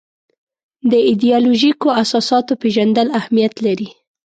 د ایدیالوژیکو اساساتو پېژندل اهمیت لري.